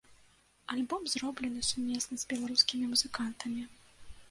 Альбом зроблены сумесна з беларускімі музыкантамі.